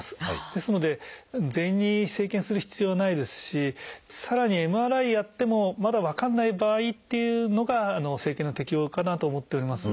ですので全員に生検する必要はないですしさらにＭＲＩやってもまだ分かんない場合っていうのが生検の適応かなと思っております。